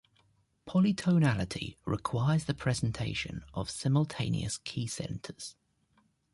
Polytonality requires the presentation of simultaneous key-centers.